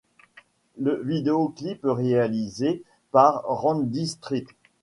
Le vidéoclip, réalisé par Randee St.